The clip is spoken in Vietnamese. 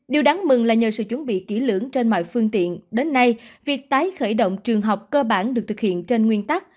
điều đáng mừng là nhờ sự chuẩn bị kỹ lưỡng trên mọi phương tiện đến nay việc tái khởi động trường học cơ bản được thực hiện trên nguyên tắc